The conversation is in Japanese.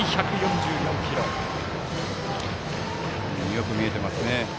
よく見えてますね。